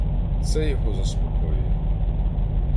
Це його заспокоює.